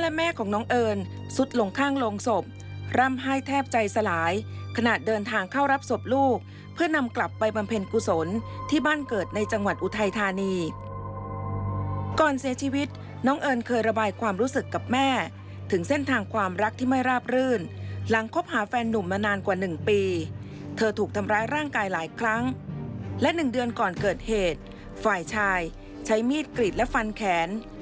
และแม่ของน้องเอิญสุดลงข้างโรงศพร่ำไห้แทบใจสลายขณะเดินทางเข้ารับศพลูกเพื่อนำกลับไปบำเพ็ญกุศลที่บ้านเกิดในจังหวัดอุทัยธานีก่อนเสียชีวิตน้องเอิญเคยระบายความรู้สึกกับแม่ถึงเส้นทางความรักที่ไม่ราบรื่นหลังคบหาแฟนนุ่มมานานกว่า๑ปีเธอถูกทำร้ายร่างกายหลายครั้งและหนึ่งเดือนก่อนเกิดเหตุฝ่ายชายใช้มีดกรีดและฟันแขน